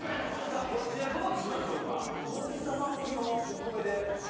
こちらどうしましょうか。